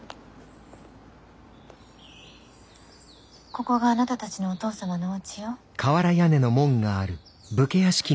ここがあなたたちのお父様のおうちよ。